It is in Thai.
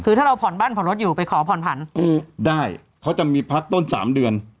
คือถ้าเราผ่อนบ้านผ่อนรถอยู่ไปขอผ่อนผันได้เขาจะมีพักต้นสามเดือน